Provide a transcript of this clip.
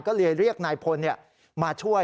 ก็เรียกนายพลเนี่ยมาช่วย